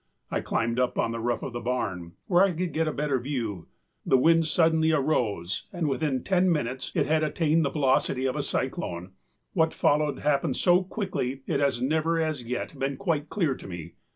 I climbed up on the roof of the barn, where I could get a better view. The wind suddenly arose and within ten minutes it had attained the velocity of a cyclone; what followed happened so quickly it has never as yet been quite clear to me.